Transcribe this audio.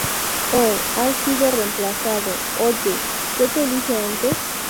¡ Oh! ¿ has sido reemplazado? ¿ oye, qué te dije antes?